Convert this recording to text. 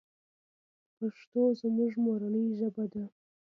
پښتو زموږ مورنۍ ژبه ده .